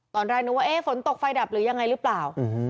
ตอนแรกนึกว่าฝนตกไฟดับหรือยังไงหรือเปล่า